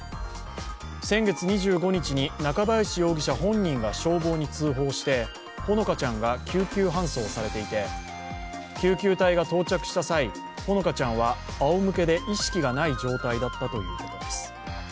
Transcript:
先月２５日に中林容疑者本人が消防に通報してほのかちゃんが救急搬送されていて、救急隊が到着した際ほのかちゃんはあおむけで意識がない状態だったということです。